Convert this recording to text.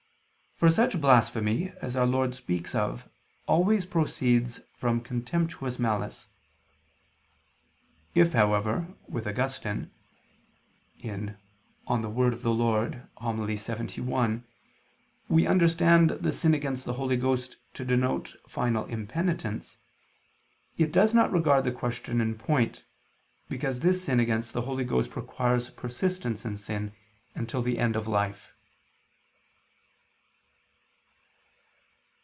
For such blasphemy as Our Lord speaks of, always proceeds from contemptuous malice. If, however, with Augustine (De Verb. Dom., Serm. lxxi) we understand the sin against the Holy Ghost to denote final impenitence, it does not regard the question in point, because this sin against the Holy Ghost requires persistence in sin until the end of life.